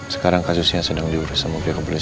sekarang kasusnya sedang diurus sama pihak kepolisian